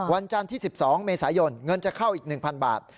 วันจันทร์ที่๑๒เมษายนเงินจะเข้าอีก๑๐๐บาท